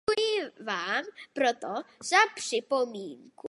Děkuji vám proto za připomínku.